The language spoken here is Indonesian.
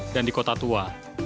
dan di kota tua